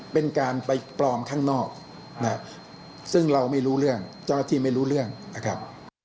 เป็นการไปปลอมข้างนอกนะครับซึ่งเราไม่รู้เรื่องเจ้าหน้าที่ไม่รู้เรื่องนะครับ